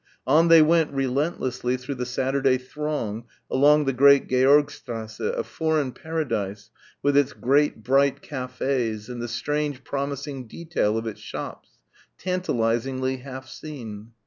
On they went relentlessly through the Saturday throng along the great Georgstrasse a foreign paradise, with its great bright cafés and the strange promising detail of its shops tantalisingly half seen.